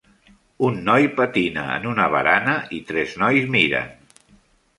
Un noi patina en una barana i tres nois miren.